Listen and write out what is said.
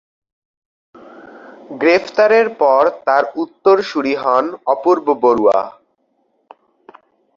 গ্রেফতারের পর তার উত্তরসূরি হন অপূর্ব বড়ুয়া।